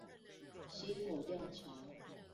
溪口吊橋